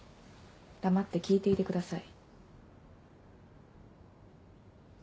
黙って聞いていてください。